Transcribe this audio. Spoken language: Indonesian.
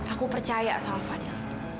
aku percaya sama fadhil